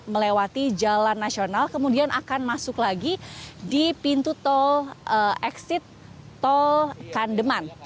melewati jalan nasional kemudian akan masuk lagi di pintu tol exit tol kandeman